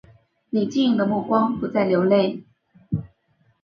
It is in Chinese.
你晶莹的目光不再流泪